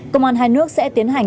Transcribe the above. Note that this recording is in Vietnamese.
công an hai nước sẽ tiến hành